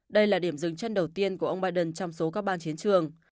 đây là điểm dừng chân đầu tiên của ông biden trong số các ban chiến trường